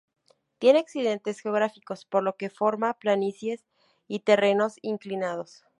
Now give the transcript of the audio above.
Tiene accidentes geográficos por lo que forma planicies y terrenos inclinados.